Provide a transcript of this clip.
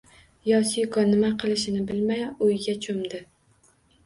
Yosiko nima qilishini bilmay, o`yga cho`mdi